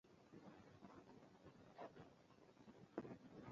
Jakuot kare okawo kit wuon mare ne oumi e agulu, ka wuoru pod ngima